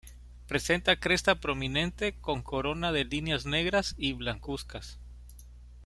Presenta cresta prominente con corona de líneas negras y blancuzcas.